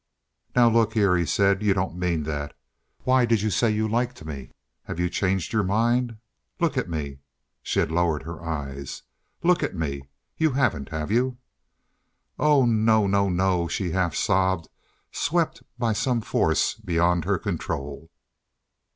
"Now, look here," he said. "You don't mean that. Why did you say you liked me? Have you changed your mind? Look at me." (She had lowered her eyes.) "Look at me! You haven't, have you?" "Oh no, no, no," she half sobbed, swept by some force beyond her control.